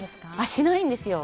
しないんですよ。